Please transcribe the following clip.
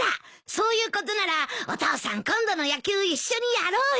そういうことならお父さん今度の野球一緒にやろうよ。